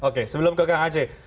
oke sebelum ke kang aceh